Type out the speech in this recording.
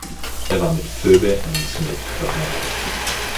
Er war mit Phoebe Ann Smith verheiratet.